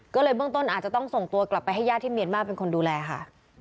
ก็เลยเบื้องต้นอาจจะต้องส่งตัวกลับไปให้ญาติที่เมียนมาร์เป็นคนดูแลค่ะ